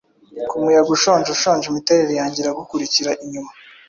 Ku muyaga ushonje ushonje Imiterere yanjye iragukurikira inyuma.